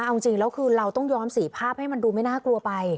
เอาจริงแล้วคือเราต้องย้อมสีภาพให้มันดูไม่น่ากลัวไป